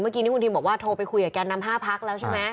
เมื่อกี้นี้คุณทิมบอกว่าโทรไปคุยกับแกนนำ๕พักแล้วใช่ไหม